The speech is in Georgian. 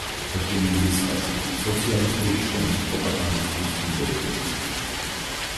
რკინიგზის ხაზი სოციალისტური შრომის პროპაგანდისტულ სიმბოლოდ იქცა.